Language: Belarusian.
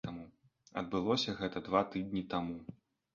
Адбылося гэта два тыдні таму.